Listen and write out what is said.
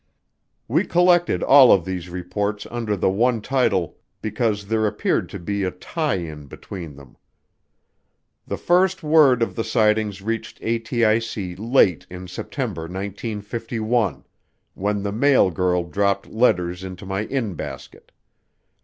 We collected all of these reports under the one title because there appeared to be a tie in between them. The first word of the sightings reached ATIC late in September 1951, when the mail girl dropped letters into my "in" basket.